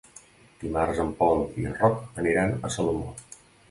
Dimarts en Pol i en Roc aniran a Salomó.